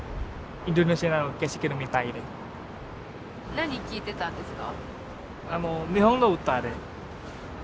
何聴いてたんですか？